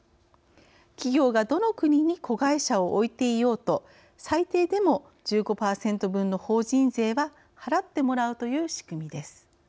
企業が、どの国に子会社を置いていようと最低でも、１５％分の法人税は払ってもらうという仕組みです。